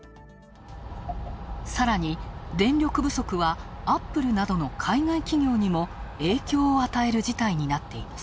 さらに、電力不足はアップルなどの海外企業にも影響を与える事態になっています。